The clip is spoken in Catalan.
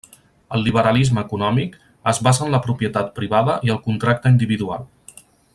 El liberalisme econòmic es basa en la propietat privada i el contracte individual.